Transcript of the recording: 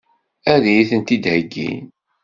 Ad iyi-tent-id-heggin?